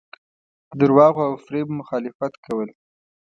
د درواغو او فریب مخالفت کول.